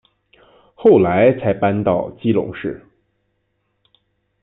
后来才搬到基隆市。